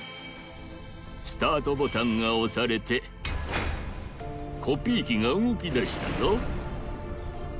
スタートボタンがおされてコピーきがうごきだしたぞ。